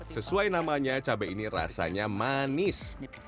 sesuai namanya cabai ini rasanya manis